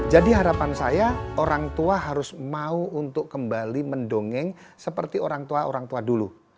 jadi harapan saya orang tua harus mau untuk kembali mendongeng seperti orang tua orang tua dulu